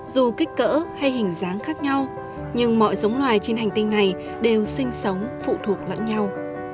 dù kích cỡ hay hình dáng khác nhau nhưng mọi giống loài trên hành tinh này đều sinh sống phụ thuộc lẫn nhau